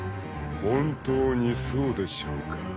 ［本当にそうでしょうか？］